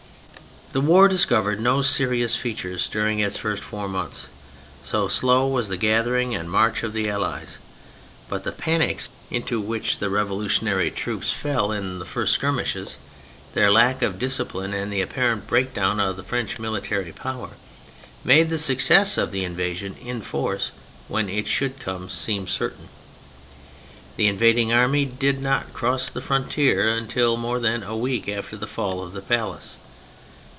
Tlie war discovered no serious features during its first foiu* months : so slow was the gathering and march of the Allies; but the panics into which the revolutionaiy troops 156 THE FRENCH REVOLUTION fell in the first skirmishes, their lack of dis cipline, and the apparent breakdown of the French military power, made the success of the Invasion in Force, when it should come, seem certain. The invading army did not cross the frontier until more than a week after the fall of the palace.